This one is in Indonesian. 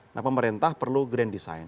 nah pemerintah perlu grand design